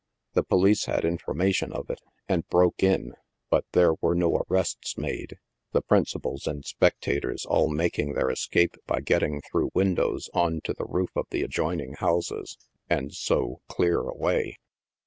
The police had information of it, and broke in, but there were no arrests made, the principals and spectators all making their escape by get ting through windows on to the roof of the adjoining houses and so clear away.